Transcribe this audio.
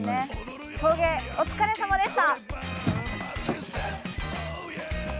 送迎お疲れさまでした！